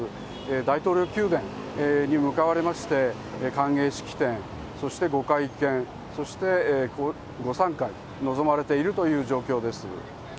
大統領宮殿に向かわれまして、歓迎式典、そしてご会見、そして午さん会に臨まれているという状況です。